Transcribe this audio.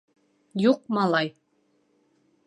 — Юҡ, малай!